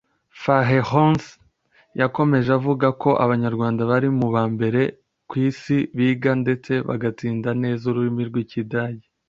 Fahrenholtz yakomeje avuga ko Abanyarwanda bari mu ba mbere ku isi biga ndetse bagatsinda neza ururimi rw’Ikidage